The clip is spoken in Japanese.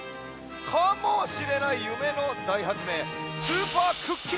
かもしれないゆめのだいはつめいスーパークッキングマシーンじゃ！